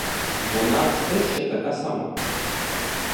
Вона все ще така сама.